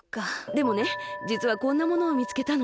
でもねじつはこんなものをみつけたの。